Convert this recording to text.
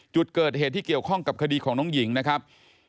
จุดเกิดเหตุที่เกี่ยวข้องกับคดีของน้องหญิงนะครับ